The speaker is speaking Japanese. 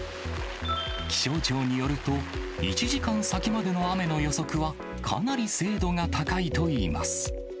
気象庁によると、１時間先までの雨の予測は、かなり精度が高いといいます。